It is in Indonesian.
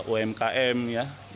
umkm dan lain lain